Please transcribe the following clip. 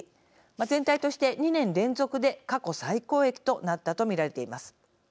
全体として２年連続で過去最高益となったと見られています。